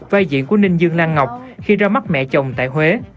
vai diễn của ninh dương lan ngọc khi ra mắt mẹ chồng tại huế